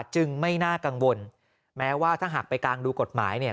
จึงไม่น่ากังวลแม้ว่าถ้าหากไปกางดูกฎหมายเนี่ย